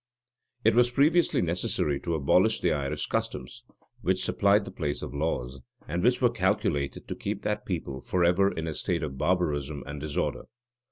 It was previously necessary to abolish the Irish customs, which supplied the place of laws, and which were calculated to keep that people forever in a state of barbarism and disorder.